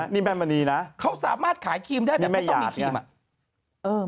นี่แม่มณีนะเขาสามารถขายครีมได้เงี่ยไม่มีครีม